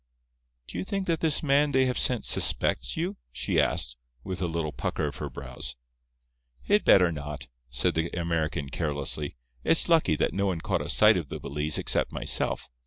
"Do you think that this man they have sent suspects you?" she asked, with a little pucker of her brows. "He'd better not," said the American, carelessly. "It's lucky that no one caught a sight of the valise except myself.